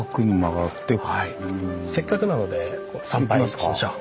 せっかくなので参拝しましょう。